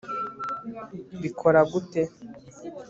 bikora gute